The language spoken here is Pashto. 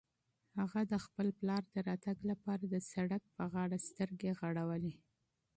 هغه د خپل پلار د راتګ لپاره د سړک په غاړه سترګې غړولې.